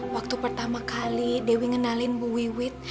waktu pertama kali dewi kenalin bu wiwit